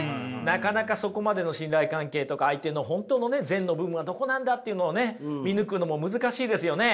なかなかそこまでの信頼関係とか相手の本当の善の部分はどこなんだっていうのをね見抜くのも難しいですよね。